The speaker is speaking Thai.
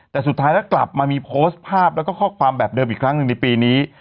แต่สุดท้ายแล้วกลับมามีโพสต์ภาพแล้วก็ข้อความแบบเดิมอีกครั้งหนึ่งในปีนี้